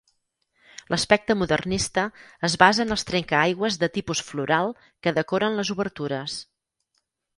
L'aspecte modernista es basa en els trencaaigües de tipus floral que decoren les obertures.